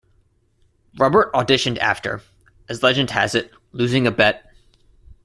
Robert auditioned after, as legend has it, losing a bet.